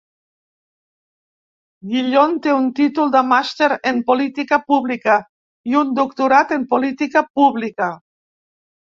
Gillon té un títol de màster en Política pública i un doctorat en Política pública.